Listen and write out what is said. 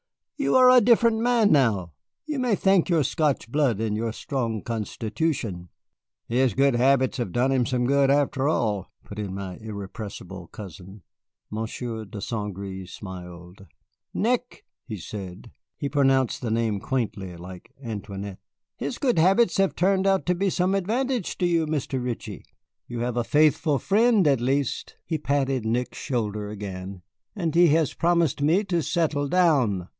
"You are a different man now. You may thank your Scotch blood and your strong constitution." "His good habits have done him some good, after all," put in my irrepressible cousin. Monsieur de St. Gré smiled. "Nick," he said (he pronounced the name quaintly, like Antoinette), "his good habits have turned out to be some advantage to you. Mr. Ritchie, you have a faithful friend at least." He patted Nick's shoulder again. "And he has promised me to settle down."